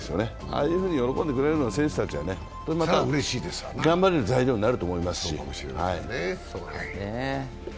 ああいうふうに喜んでくれるなら選手たちは頑張れる材料になると思いますし。